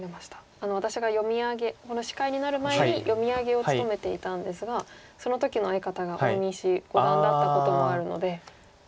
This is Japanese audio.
私が読み上げこの司会になる前に読み上げを務めていたんですがその時の相方が大西五段だったこともあるので。